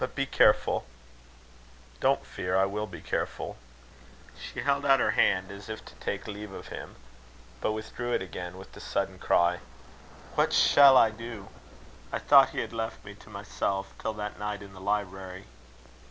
But be careful." "Don't fear. I will be careful." She held out her hand, as if to take leave of him, but withdrew it again with the sudden cry: "What shall I do? I thought he had left me to myself, till that night in the library."